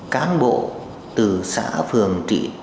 cán bộ từ xã phường thị